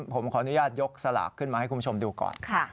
ผมขออนุญาตยกสลากขึ้นมาให้คุณผู้ชมดูก่อน